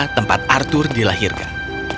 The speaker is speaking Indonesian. di desa tempat arturo dilahirkan